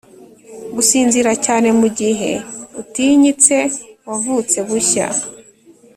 gusinzira cyane; mugihe utinyitse, wavutse bushya